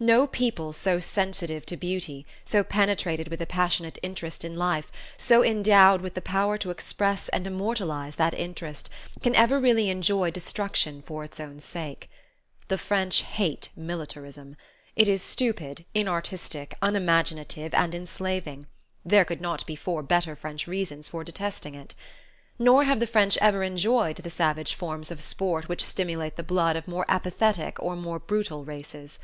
No people so sensitive to beauty, so penetrated with a passionate interest in life, so endowed with the power to express and immortalize that interest, can ever really enjoy destruction for its own sake. The French hate "militarism." It is stupid, inartistic, unimaginative and enslaving; there could not be four better French reasons for detesting it. Nor have the French ever enjoyed the savage forms of sport which stimulate the blood of more apathetic or more brutal races.